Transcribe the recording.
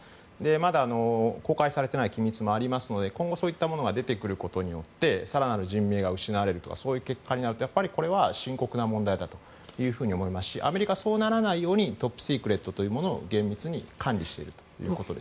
まだ、公開されていない機密もありますので今後、そういったものが出てくることによって更なる人命が失われるとかそういう結果になるとやっぱり深刻な問題だと思いますしアメリカはそうならないようにトップシークレットというものを厳密に管理しているということです。